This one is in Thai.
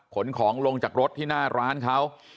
ขนของลงจากรถที่หน้าร้านเขา